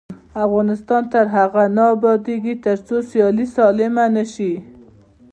افغانستان تر هغو نه ابادیږي، ترڅو سیالي سالمه نشي.